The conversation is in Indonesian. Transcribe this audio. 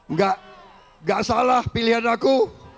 nggak salah pilihan aku